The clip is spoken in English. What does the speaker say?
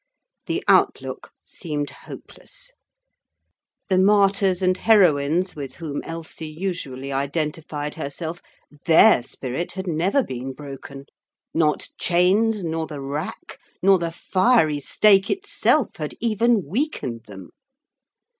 The outlook seemed hopeless. The martyrs and heroines, with whom Elsie usually identified herself, their spirit had never been broken; not chains nor the rack nor the fiery stake itself had even weakened them.